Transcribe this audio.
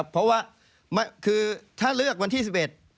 เพราะว่าถ้าเลือกวันที่๑๑